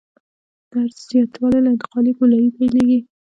د عرض زیاتوالی له انتقالي ګولایي پیلیږي